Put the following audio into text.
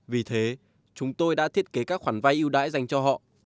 vì thế chúng tôi đã thiết kế các khoản vay yêu đãi dành cho họ